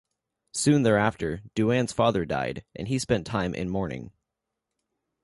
Soon thereafter, Duan's father died, and he spent time in morning.